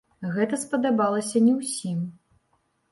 Гэта спадабалася не ўсім.